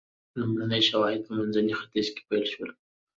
لومړني شواهد په منځني ختیځ کې پیل شول.